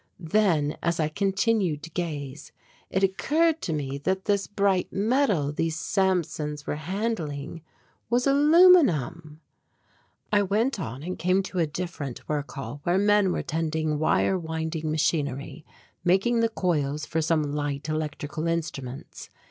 Then as I continued to gaze it occurred to me that this bright metal these Samsons were handling was aluminum! I went on and came to a different work hall where men were tending wire winding machinery, making the coils for some light electrical instruments.